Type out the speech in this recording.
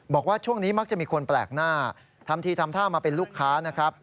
บอกว่าช่วงนี้มักจะมีคนแปลกหน้าทำทีทำท่ามาเป็นลูกค้านะครับ